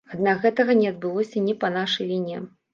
Аднак гэтага не адбылося не па нашай віне.